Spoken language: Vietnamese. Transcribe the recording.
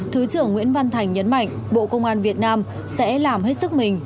thứ trưởng nguyễn văn thành nhấn mạnh bộ công an việt nam sẽ làm hết sức mình